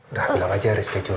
udah bilang aja reschedule